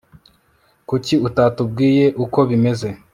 kuki utatubwiye uko bimeze